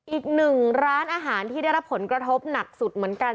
อีกหนึ่งร้านอาหารที่ได้รับผลกระทบหนักสุดเหมือนกัน